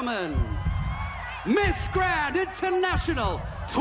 คนลุกบราซิล